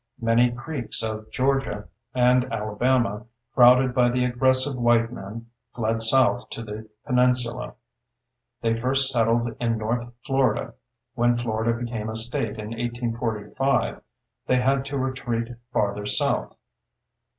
Many Creeks of Georgia and Alabama, crowded by the aggressive white man, fled south to the peninsula. They first settled in north Florida; when Florida became a State in 1845 they had to retreat farther south.